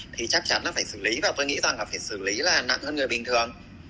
thì chắc chắn là phải xử lý và tôi nghĩ rằng là phải xử lý là nặng hơn người bình thường